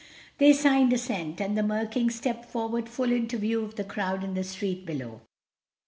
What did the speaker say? They signed assent. And the Mer King stepped forward full into view of the crowd in the street below.